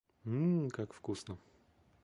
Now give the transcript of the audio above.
М-м-м, как вкусно!